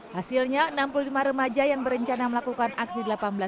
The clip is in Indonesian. hasilnya enam puluh lima remaja yang berencana melakukan aksi delapan belas